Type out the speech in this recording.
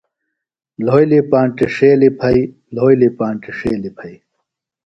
لھولیۡ پانٹیۡ ݜیلیۡ پھئیۡ لھولیۡ پانٹیۡ ݜیلیۡ پھئیۡ۔